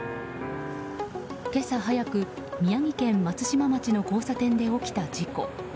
今朝早く、宮城県松島町の交差点で起きた事故。